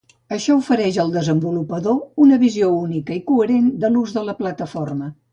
Això ofereix al desenvolupador una visió única i coherent de l'ús de la plataforma.